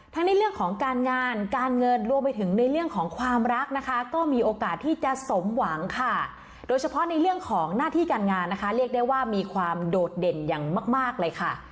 ในเรื่องของการงานการเงินรวมไปถึงในเรื่องของความรักนะคะก็มีโอกาสที่จะสมหวังค่ะโดยเฉพาะในเรื่องของหน้าที่การงานนะคะเรียกได้ว่ามีความโดดเด่นอย่างมากเลยค่ะ